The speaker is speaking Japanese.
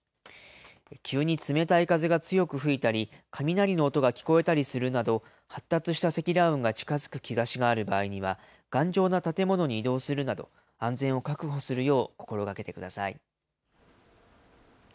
急に冷たい風が強く吹いたり、雷の音が聞こえたりするなど、発達した積乱雲が近づく兆しがある場合には、頑丈な建物に移動するなど、安全を確保するよう心がけてください。